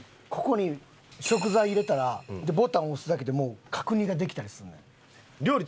ここに食材入れたらでボタン押すだけでもう角煮ができたりすんのよ。